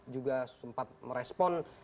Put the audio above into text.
juga sempat merespon